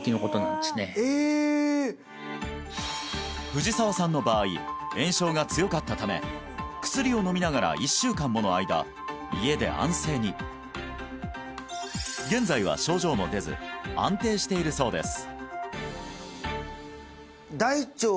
藤澤さんの場合炎症が強かったため薬を飲みながら１週間もの間家で安静に現在は症状も出ず安定しているそうです